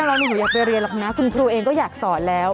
ไม่ใช่แค่น้องหนูอยากไปเรียนหรอกนะคุณครูเองก็อยากสอนแล้ว